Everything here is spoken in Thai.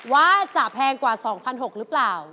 ว่าจะแพงกว่า๒๖๐๐หรือเปล่า